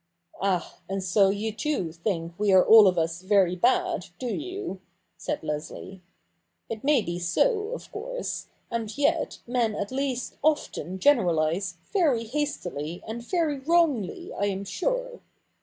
* Ah, and so you too think we are all of us very bad, do you ?' said Leslie, ' It may be so, of course : and yet men at least often generalise very hastily and very wrongly, I am sure.